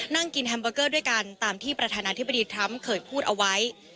นั่งกินแฮมเบอร์เกอร์ด้วยกันตามที่ประธานาธิบดีทรัมป์เคยพูดเอาไว้